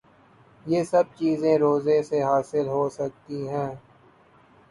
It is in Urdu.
یہ سب چیزیں روزے سے حاصل ہو سکتی ہیں